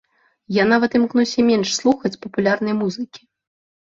Я нават імкнуся менш слухаць папулярнай музыкі.